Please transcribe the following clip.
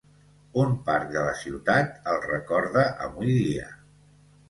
Un parc de la ciutat el recorda avui dia.